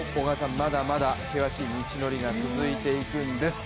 まだまだ厳しい道のりが続いていくんです